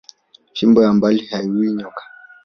Fimbo ya mbali hayiuwi nyoka